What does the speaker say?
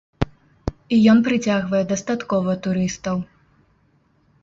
І ён прыцягвае дастаткова турыстаў.